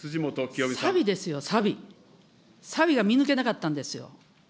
さびですよ、さび、さびが見抜けなかったんですよ。